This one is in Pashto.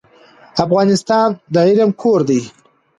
افغانستان د علم کور و.